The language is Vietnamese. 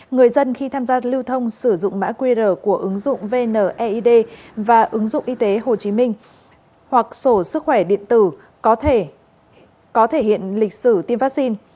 người dân khi tham gia lưu thông sử dụng mã qr của ứng dụng vneid và ứng dụng y tế hồ chí minh hoặc sổ sức khỏe điện tử có thể có thể hiện lịch sử tiêm vaccine